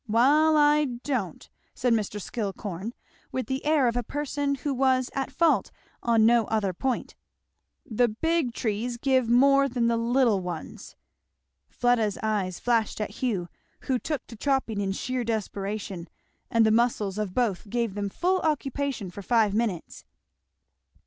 "Wall I don't," said Mr. Skillcorn, with the air of a person who was at fault on no other point; "the big trees give more than the little ones " Fleda's eyes flashed at Hugh, who took to chopping in sheer desperation; and the muscles of both gave them full occupation for five minutes.